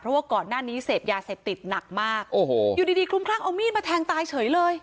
เพราะว่าก่อนหน้านี้เสพยาเสพติดหนักมากโอ้โหอยู่ดีดีคลุมคลั่งเอามีดมาแทงตายเฉยเลย